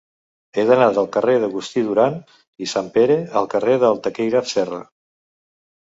He d'anar del carrer d'Agustí Duran i Sanpere al carrer del Taquígraf Serra.